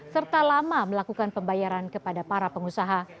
serta lama melakukan pembayaran kepada para pengusaha